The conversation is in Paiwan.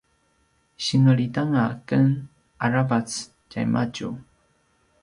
singlitanga aken aravac tjaimadju